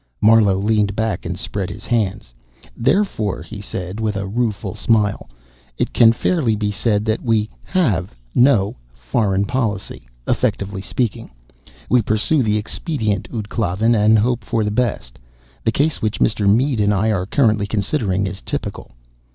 Marlowe leaned back and spread his hands. "Therefore," he said with a rueful smile, "it can fairly be said that we have no foreign policy, effectively speaking. We pursue the expedient, ud Klavan, and hope for the best. The case which Mr. Mead and I are currently considering is typical.